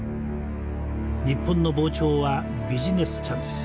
日本の膨張はビジネスチャンス。